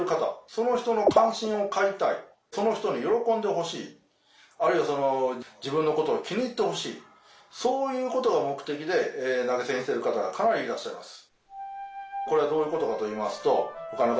その人の歓心を買いたいその人に喜んでほしいあるいはその自分のことを気に入ってほしいそういうことが目的で投げ銭してる方がかなりいらっしゃいます。